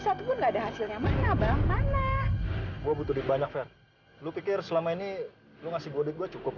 satu pun ada hasilnya mana bang mana gua butuh banyak lu pikir selama ini lu ngasih gua cukup